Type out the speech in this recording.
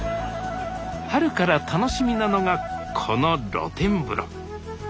春から楽しみなのがこの露天風呂。